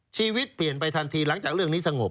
ชีวิตเปลี่ยนไปทันทีหลังจากเรื่องนี้สงบ